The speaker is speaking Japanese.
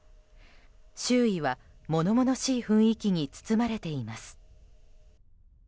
周囲は物々しい雰囲気に包まれています。